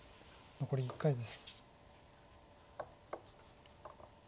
残り１回です。